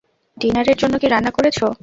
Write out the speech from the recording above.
ডিনারের জন্য কী রান্না করেছো?